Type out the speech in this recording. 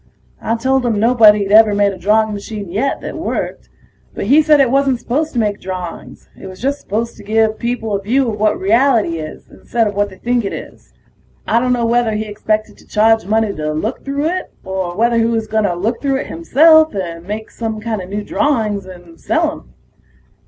I told him nobody'd ever made a drawing machine yet that worked, but he said it wasn't supposed to make drawings. It was just supposed to give people a view of what reality really is, instead of what they think it is. I dunno whether he expected to charge money to look through it, or whether he was gonna look through it himself and make some new kinda drawings and sell 'em.